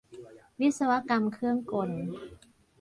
วิศวกรรมเครื่องกล